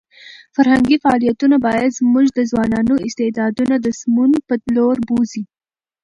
فرهنګي فعالیتونه باید زموږ د ځوانانو استعدادونه د سمون په لور بوځي.